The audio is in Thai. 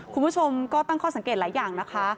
คุณผู้ชมก็ตั้งข้อสังเกตหลายอย่างนะคะ